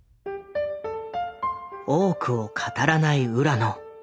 多くを語らない浦野。